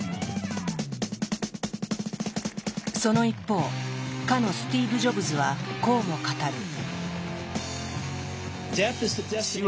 その一方かのスティーブ・ジョブズはこうも語る。